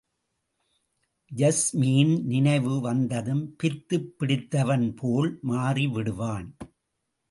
யாஸ்மியின் நினைவு வந்ததும் பித்துப் பிடித்தவன் போல் மாறிவிடுவான்.